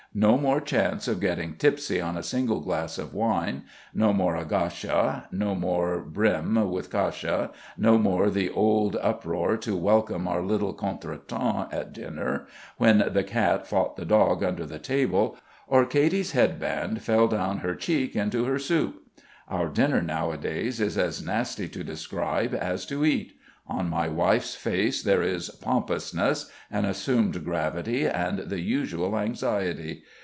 No more chance of getting tipsy on a single glass of wine, no more Agasha, no more bream with kasha, no more the old uproar to welcome our little contretemps at dinner, when the cat fought the dog under the table, or Katy's head band fell down her cheek into her soup. Our dinner nowadays is as nasty to describe as to eat. On my wife's face there is pompousness, an assumed gravity, and the usual anxiety.